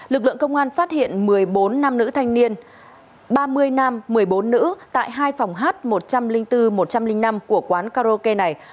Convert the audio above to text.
lực lượng công an phát hiện một mươi bốn nam nữ thanh niên ba mươi nam một mươi bốn nữ tại hai phòng h một trăm linh bốn một trăm linh năm của quán karaoke này